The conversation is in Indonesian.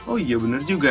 oh iya bener juga